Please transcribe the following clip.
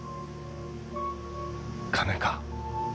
金か？